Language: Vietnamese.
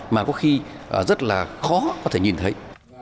mà có khi rất là khó có thể nhìn thấy